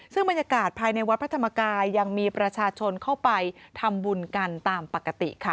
ซึ่งบรรยากาศภายในวัดพระธรรมกายยังมีประชาชนเข้าไปทำบุญกันตามปกติค่ะ